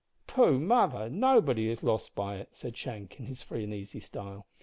"Pooh! mother, nobody has lost by it," said Shank in his free and easy style.